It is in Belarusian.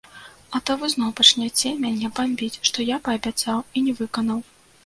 А то вы зноў пачняце мяне бамбіць, што я паабяцаў і не выканаў.